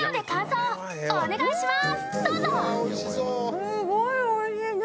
すごいおいしい！